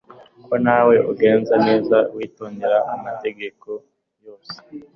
ko nawe ugenza neza witondera amategeko yose